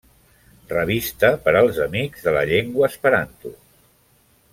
Revista per als amics de la llengua Esperanto.